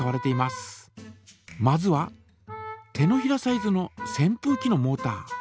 まずは手のひらサイズのせんぷうきのモータ。